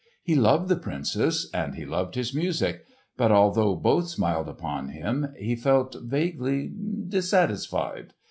He loved the Princess and he loved his music, but although both smiled upon him he felt vaguely dissatisfied.